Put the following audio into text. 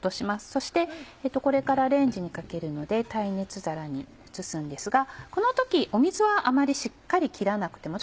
そしてこれからレンジにかけるので耐熱皿に移すんですがこの時水はしっかり切らなくても。